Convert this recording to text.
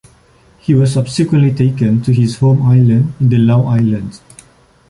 He was subsequently taken to his home island in the Lau Islands.